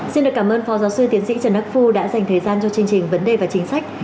xin được cảm ơn phó giáo sư tiến sĩ trần đắc phu đã dành thời gian cho chương trình vấn đề và chính sách